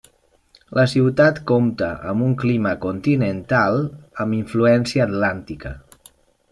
La ciutat compta amb un clima continental amb influència atlàntica.